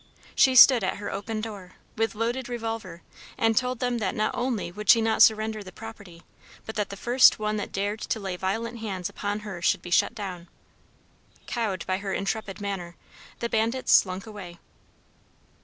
She stood at her open door, with loaded revolver, and told them that not only would she not surrender the property, but that the first one that dared to lay violent hands upon her should be shot down. Cowed by her intrepid manner, the bandits slunk away.